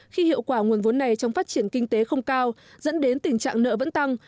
khi hiệu quả nguồn vốn này trong phát triển kinh tế không cao dẫn đến tình trạng nợ vẫn tăng